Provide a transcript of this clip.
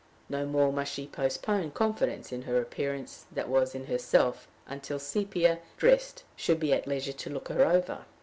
No more must she postpone confidence in her appearance, that was, in herself, until Sepia, dressed, should be at leisure to look her over!